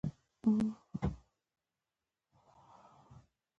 او د مانا له پلوه، سنګدله، بې پروا، بې مينې او د زړه ماتوونکې